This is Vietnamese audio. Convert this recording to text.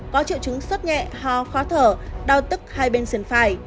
có triệu chứng suất nhẹ ho khó thở đau tức hai bên xuyên phải